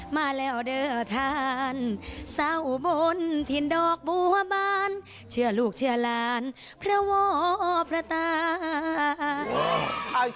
มาแล้วเดินท่านสาวบนถิ่นดอกเมื่อวานเชื่อลูกเชื่อล้านทะวอบทะตา